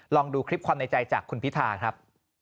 ลองดูคลิปความในใจจากคุณพิธาครับ